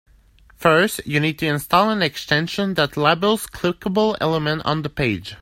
First, you need to install an extension that labels clickable elements on the page.